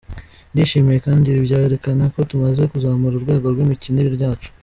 Ndishimye kandi ibi byerekana ko tumaze kuzamura urwego rw’imikinire yacu.